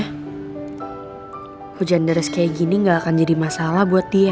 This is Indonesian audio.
hujan deras kayak gini gak akan jadi masalah buat dia